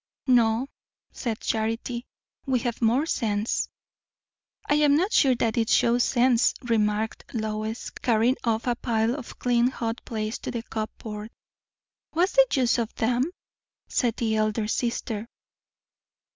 "No," said Charity. "We have more sense." "I am not sure that it shows sense," remarked Lois, carrying off a pile of clean hot plates to the cupboard. "What's the use of 'em?" said the elder sister.